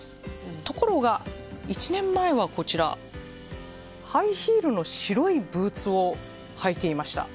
ところが１年前はハイヒールの白いブーツを履いていました。